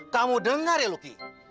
kamu dengar ya luki